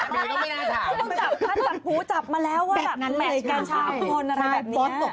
ชาติผู้จับมาแล้วแมทกัน๓คนหรืออะไรแบบนี้